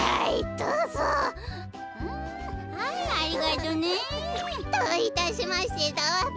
どういたしましてだわべ。